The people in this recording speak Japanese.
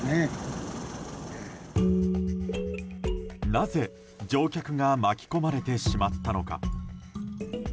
なぜ、乗客が巻き込まれてしまったのか。